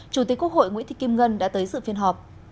chủ tịch quốc hội nguyễn thị kim ngân đã tới dự phiên họp